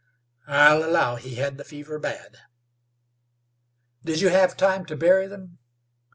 "I'll allow he had the fever bad." "Did you hev time to bury them?"